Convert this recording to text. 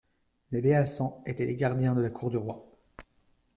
Les Beasants étaient les gardiens de la cour du roi.